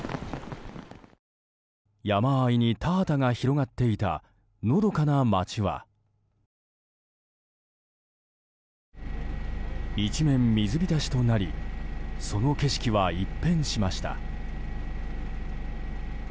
山あいに田畑が広がっていたのどかな町は一面水浸しとなりその景色は一変しました。